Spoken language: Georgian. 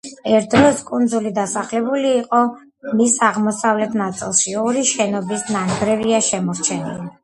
ერთ დროს კუნძული დასახლებული იყო და მის აღმოსავლეთ ნაწილში ორი შენობის ნანგრევია შემორჩენილი.